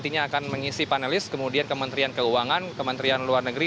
nantinya akan mengisi panelis kemudian kementerian keuangan kementerian luar negeri